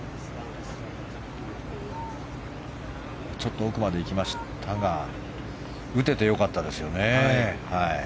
ちょっと奥まで行きましたが打てて良かったですね。